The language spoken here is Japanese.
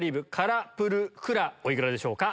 お幾らでしょうか？